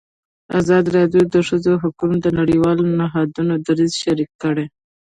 ازادي راډیو د د ښځو حقونه د نړیوالو نهادونو دریځ شریک کړی.